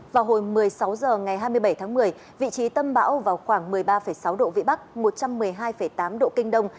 vào hồi một mươi sáu h ngày hai mươi bảy tháng một mươi vị trí tâm bão vào khoảng một mươi ba sáu độ vĩ bắc một trăm một mươi hai tám độ kinh đông